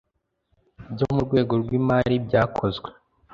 Byo mu rwego rw imari byakozwe